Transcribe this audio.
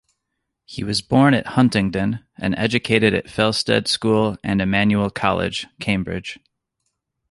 He was born at Huntingdon and educated at Felsted School and Emmanuel College, Cambridge.